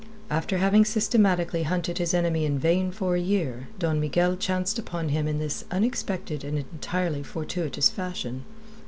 After having systematically hunted his enemy in vain for a year, Don Miguel chanced upon him in this unexpected and entirely fortuitous fashion.